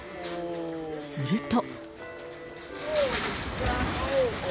すると。